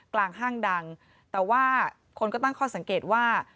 ห้างดังแต่ว่าคนก็ตั้งข้อสังเกตว่า